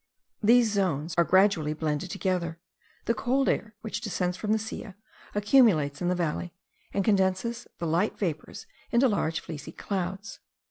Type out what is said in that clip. These zones are gradually blended together; the cold air which descends from the Silla, accumulates in the valley, and condenses the light vapours into large fleecy clouds.